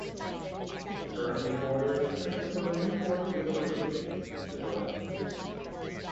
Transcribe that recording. It currently borders Christopher Newport University to the west.